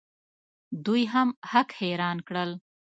دوی هم هک حیران کړل.